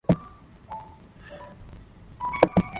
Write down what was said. A residential neighbourhood now occupies the area.